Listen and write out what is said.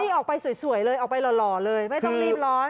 นี่ออกไปสวยเลยออกไปหล่อเลยไม่ต้องรีบร้อน